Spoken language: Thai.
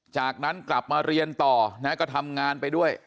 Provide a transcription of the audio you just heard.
จากนั้นกลับมาเรียนต่อนะก็ทำงานไปด้วย